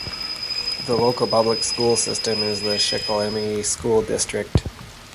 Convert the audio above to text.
The local public school system is the Shikellamy School District.